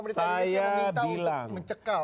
pemerintah indonesia meminta untuk mencekal